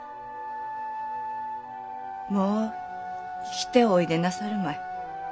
もう生きておいでなさるまい。